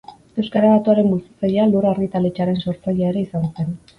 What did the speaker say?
Euskara batuaren bultzatzailea, Lur argitaletxearen sortzailea ere izan zen.